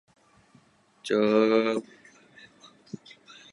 তার এই পুরুষানুক্রমিক নীড়ে শাস্তি আছে নাকি?